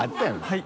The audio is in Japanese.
はい。